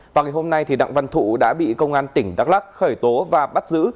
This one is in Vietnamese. vào ngày hôm nay đặng văn thụ đã bị công an tỉnh đắk lắc khởi tố và bắt giữ